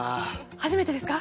初めてですか？